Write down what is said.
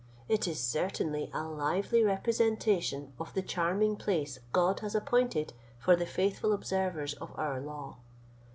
It is certainly a lively representation of the charming place God has appointed for the faithful observers of our law.